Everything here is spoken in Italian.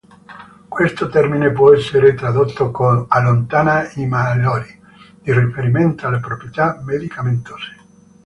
Questo termine può essere tradotto con "allontana i malori" in riferimento alle proprietà medicamentose.